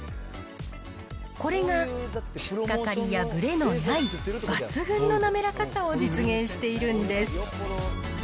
これが引っ掛かりやぶれのない、抜群の滑らかさを実現しているんです。